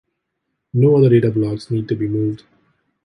No other data blocks need to be moved.